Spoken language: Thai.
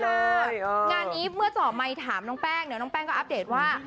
งานนี้เมื่อเจาะไมค์ถามน้องแป้งเนี่ยน้องแป้งก็อัปเดตว่า